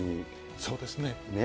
そうですね。